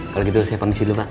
kalau gitu saya pamit di lu pak